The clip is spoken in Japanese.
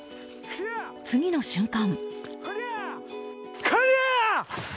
次の瞬間。